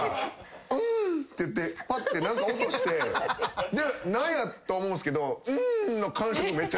「うん」って言ってパッて何か音して何や？と思うんすけど「うん」の。